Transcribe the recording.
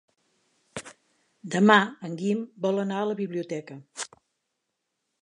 Demà en Guim vol anar a la biblioteca.